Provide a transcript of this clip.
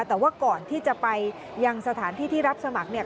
แต่ว่าก่อนที่จะไปยังสถานที่ที่รับสมัครเนี่ย